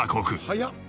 「早っ！」